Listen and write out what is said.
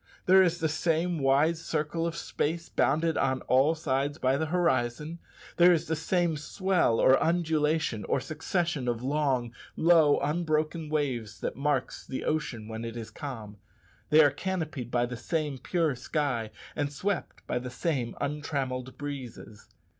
There is the same wide circle of space bounded on all sides by the horizon; there is the same swell, or undulation, or succession of long low unbroken waves that marks the ocean when it is calm; they are canopied by the same pure sky, and swept by the same untrammelled breezes.